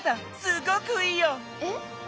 すごくいいよ！え？